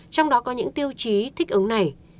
trong đó có những tiêu chí thích ứng này